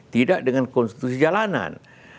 tidak dengan konstitusi jalanan